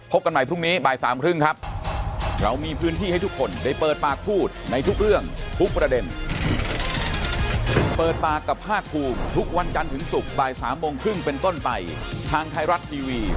กันใหม่พรุ่งนี้บ่ายสามครึ่งครับ